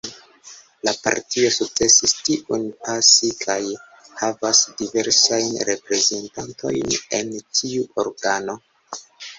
La partio sukcesis tiun pasi kaj havas diversajn reprezentantojn en tiu organo.